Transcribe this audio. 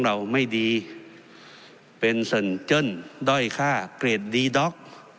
ว่าของพี่ของน้องเราไม่ดีเป็นเซินเจิ้นด้อยค่าเกรดดีด๊อก